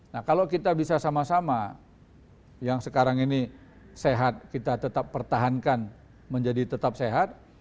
nah kalau kita bisa sama sama yang sekarang ini sehat kita tetap pertahankan menjadi tetap sehat